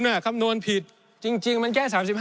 ในช่วงที่สุดในรอบ๑๖ปี